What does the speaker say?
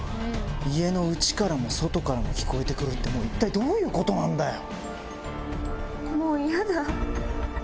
家の内からも外からも聞こえて来るって一体どういうことなんだよ！